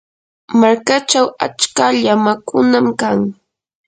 markachaw achka llamakunam kan.